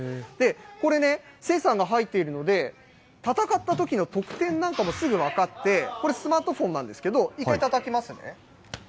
これね、センサーが入っているので、戦ったときの得点なんかもすぐ分かって、これ、スマートフォンなんですけど、１回、たたきますね。